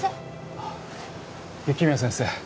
あっ雪宮先生。